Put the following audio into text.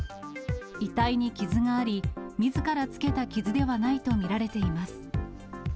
遺体に傷があり、みずからつけた傷ではないと見られています。